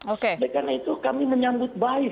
oleh karena itu kami menyambut baik